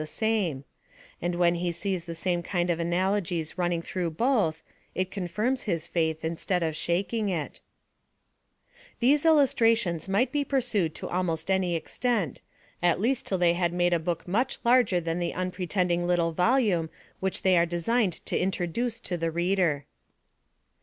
the same ; and when he sees the same kind of analo gies running through l)oth, it confirms his faith, instead cf shaking it 34 INTRODUCTION. Tliese illustrations might be pursued to almost any extent, at least till ihey had made a book much larger than the unpretending little volume which they are de signed to introduce to the reader.